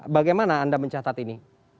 bagaimana anda mencatat ini